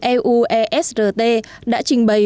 eu esrt đã trình bày